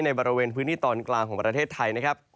บริเวณพื้นที่ตอนกลางของประเทศไทยนะครับ